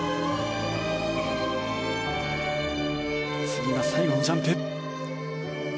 次が最後のジャンプ。